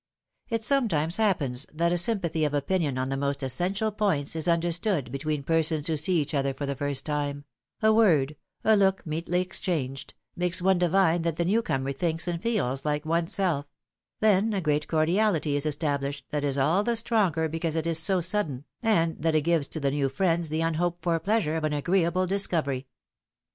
It sometimes happens that a sympathy of opinion on the most essential points is understood between persons who see each other for the first time — a word, a look meetly exchanged, makes one divine that the new comer thinks and feels like one's self — then a great cordiality is established, that is all the stronger, because it is so sud den, and that it gives to the new friends the unhoped for pleasure of an agreeable discovery.